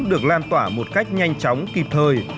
được lan tỏa một cách nhanh chóng kịp thời